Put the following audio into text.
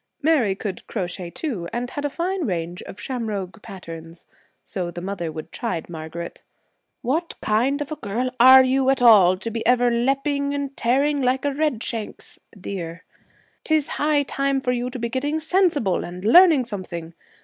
Mary could crochet, too, and had a fine range of 'shamrogue' patterns. So the mother would chide Margaret. 'What kind of a girl are you, at all, to be ever lepping and tearing like a redshanks [deer]? 'Tis high time for you to be getting sensible and learning something.